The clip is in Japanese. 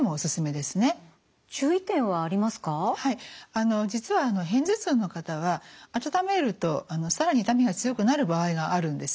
あの実は片頭痛の方は温めると更に痛みが強くなる場合があるんですね。